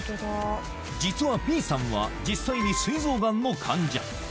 実はＢさんは実際にすい臓がんの患者。